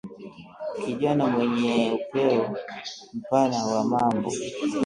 kijana mwenye upeo mpana wa mambo